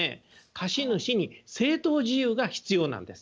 貸主に正当事由が必要なんです。